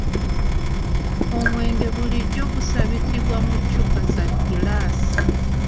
Omwenge bulijjo gusabikibwa mu ccupa za giraasi.